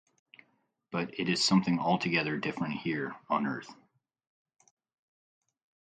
But it is something altogether different here on earth...